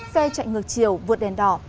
xe chạy ngược chiều vượt đèn đỏ